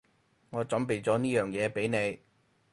我準備咗呢樣嘢畀你